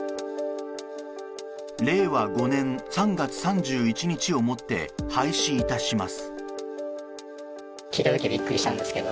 令和５年３月３１日をもって廃止いたします。